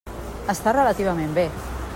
Està relativament bé.